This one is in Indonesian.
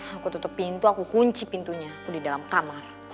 aku tutup pintu aku kunci pintunya aku di dalam kamar